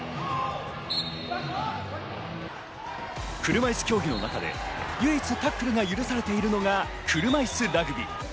車いす競技の中で唯一タックルが許されているのが車いすラグビー。